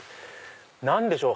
何でしょう？